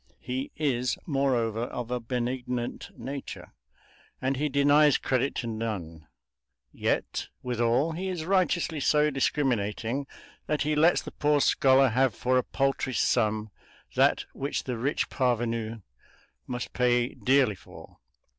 He is, moreover, of a benignant nature, and he denies credit to none; yet, withal, he is righteously so discriminating that he lets the poor scholar have for a paltry sum that which the rich parvenu must pay dearly for.